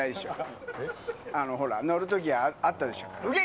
あのほら乗る時あったでしょ？